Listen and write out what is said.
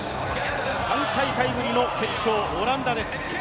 ３大会ぶりの決勝、オランダです。